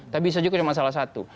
tapi saya juga cuma salah satu